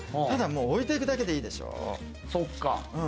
ただ置いていくだけでいいでしょう？